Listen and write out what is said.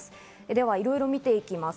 ではいろいろ見ていきます。